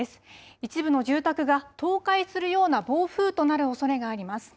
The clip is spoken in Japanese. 一部の住宅が倒壊するような暴風となるおそれがあります。